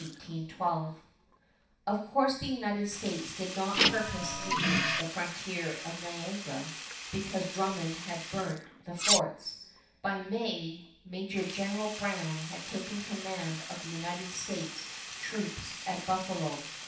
[Illustration: SIR GORDON DRUMMOND] Of course the United States did not purpose leaving the frontier of Niagara because Drummond had burnt the forts. By May, Major General Brown had taken command of the United States troops at Buffalo.